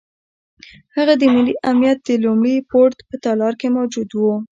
هغه د ملي امنیت د لومړي پوړ په تالار کې موجود وو.